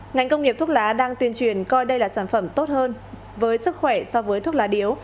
ngành công nghiệp thuốc lá đang tuyên truyền coi đây là sản phẩm tốt hơn với sức khỏe so với thuốc lá điếu